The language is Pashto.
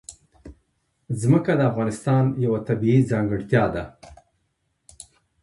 ځمکه د افغانستان یوه طبیعي ځانګړتیا ده.